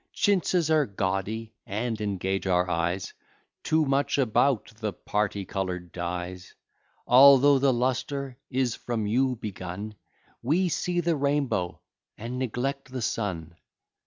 Chintzes are gawdy, and engage our eyes Too much about the party colour'd dyes; Although the lustre is from you begun, We see the rainbow, and neglect the sun.